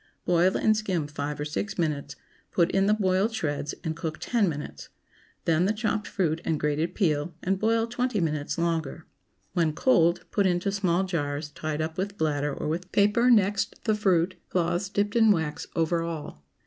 Boil and skim five or six minutes; put in the boiled shreds, and cook ten minutes; then the chopped fruit and grated peel, and boil twenty minutes longer. When cold, put into small jars, tied up with bladder or with paper next the fruit, cloths dipped in wax over all.